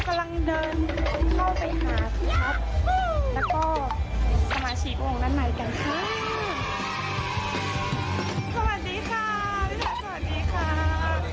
สวัสดีค่ะพี่ภาพสวัสดีค่ะ